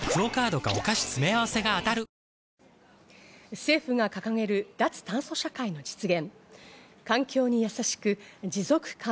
政府が掲げる脱炭素社会の実現。